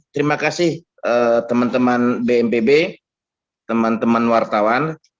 terima kasih teman teman bnpb teman teman wartawan